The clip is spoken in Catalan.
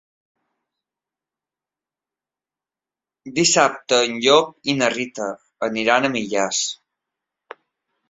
Dissabte en Llop i na Rita aniran a Millars.